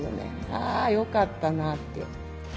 あよかったなって。